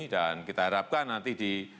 dan kita harapkan nanti di